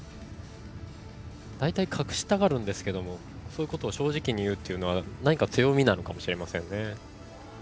大体、隠したがるんですけどもそういうことを正直に言うのは何か強みかもしれないですね。